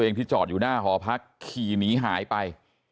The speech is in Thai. ตัวเองที่จอดอยู่หน้าที่นี่หายไป